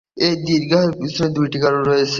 এই দীর্ঘায়ুর পিছনে দুটো কারণ রয়েছে।